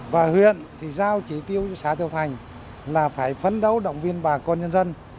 và huyện thì giao chỉ tiêu cho xã thiệu thành là phải phấn đấu động viên bà con nhân dân